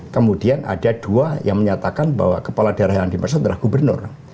kemudian ada dua yang menyatakan bahwa kepala daerah yang dimaksud adalah gubernur